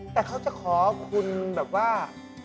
แต่เขาจะขอคุณแบบว่า